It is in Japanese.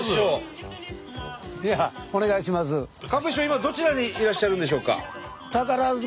今どちらにいらっしゃるんでしょうか？